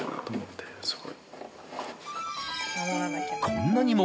［こんなにも］